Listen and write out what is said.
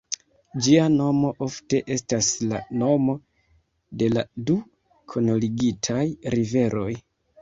Ĝia nomo ofte estas la nomo de la du kunligitaj riveroj.